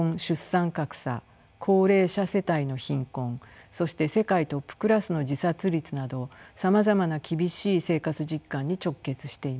高齢者世帯の貧困そして世界トップクラスの自殺率などさまざまな厳しい生活実感に直結しています。